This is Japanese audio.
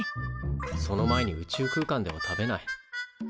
その前に宇宙空間では食べない。